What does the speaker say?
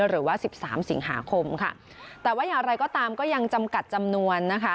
หรือว่า๑๓สิงหาคมแต่ว่าอย่างไรก็ตามก็ยังจำกัดจำนวน